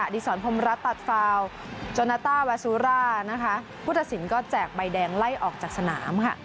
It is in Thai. ที่สอนพรมรัฐตัดฟาวโจนาต้าวาซูราพุทธสินก็แจกใบแดงไล่ออกจากสนาม